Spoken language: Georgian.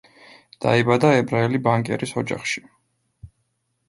დაიბადა ებრაელი ბანკირის ოჯახში.